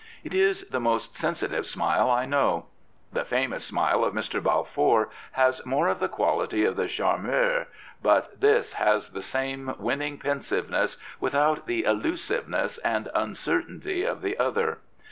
It is the most sensitive smile I know. The famous smile of Mr. Balfour has more of the quality of the charmeur, but this has the same winning pensiveness without the elusiveness and uncertainty of the other.